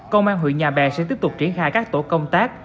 công an huyện nhà bè sẽ tiếp tục triển khai các tổ công tác